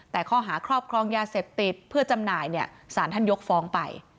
แต่ข้อหาครอบครองยาเสพติดเพื่อจำหน่ายเนี่ยสารท่านยกฟ้องไป